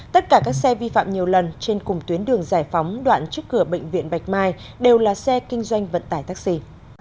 tất cả các xe vi phạm nhiều lần trên cùng tuyến đường giải phóng đoạn trước cửa bệnh viện bạch mai đều là xe kinh doanh vận tải taxi